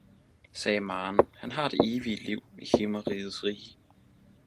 sagde Maren, han har det evige liv i Himmeriges rige!